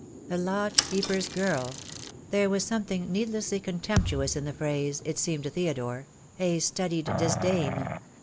"The lodge keeper's girl!" There was something needlessly contemptuous in the phrase, it seemed to Theodore: a studied disdain.